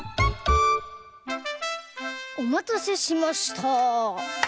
おまたせしました。